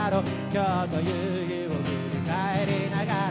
「今日という日を振り返りながら」